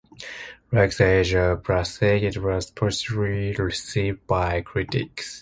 Like "The Age of Plastic" it was positively received by critics.